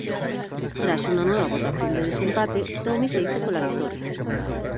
Tras una nueva votación de desempate, "Tommy" se hizo con la victoria.